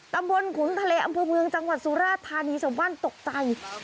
ตำบลขุนทะเลอำเภอเมืองจังหวัดสุราธารณีสมบันตกใจ